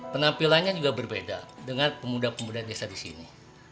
penampilannya juga berbeda dengan pemuda pemuda desa di sini